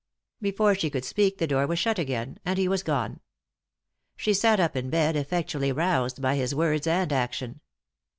Before she could speak the door was shut again, and he was gone. She sat up in bed, effectually roused by his words and action.